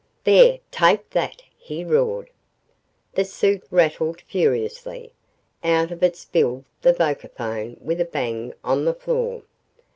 "There take that!" he roared. The suit rattled, furiously. Out of it spilled the vocaphone with a bang on the floor.